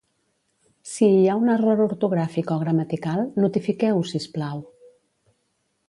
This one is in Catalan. Si hi ha un error ortogràfic o gramatical, notifiqueu-ho sisplau.